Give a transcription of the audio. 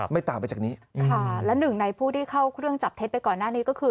ไม่ต่างไปจากนี้ค่ะและหนึ่งในผู้ที่เข้าเครื่องจับเท็จไปก่อนหน้านี้ก็คือ